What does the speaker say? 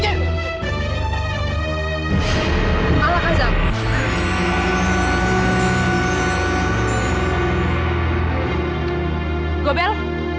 arena permainanku sepi